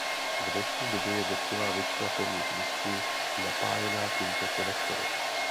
V dnešní době je drtivá většina pevných disků napájena tímto konektorem.